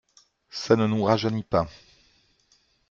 Ça ne nous rajeunit pas…